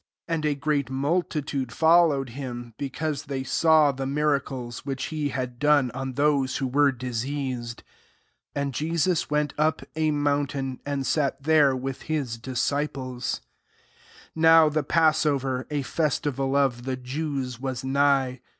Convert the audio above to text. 2 And a great multitude follow ed him, because they saw the miracles which he had done on those who were diseased. 3 And Jesus went up a mountain^ t6t JOHN Vli and sat there with his disctples* 4 Now the passover (a festival of the Jews) was nigh.